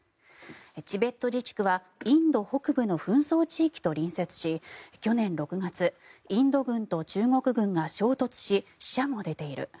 チベット自治区はインド北部の紛争地域と隣接し去年６月インド軍と中国軍が衝突し死者も出ている。